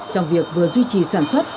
trong việc vừa duy trì sản xuất